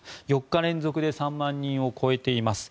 ４日連続で３万人を超えています。